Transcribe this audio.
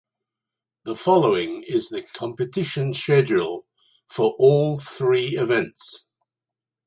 The following is the competition schedule for all three events.